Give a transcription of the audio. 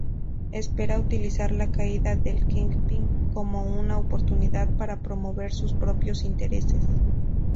Espera utilizar la caída del Kingpin como una oportunidad para promover sus propios intereses.